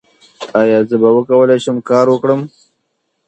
ایا زه به وکولی شم کار وکړم؟